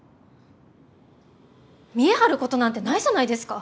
見え張ることなんてないじゃないですか！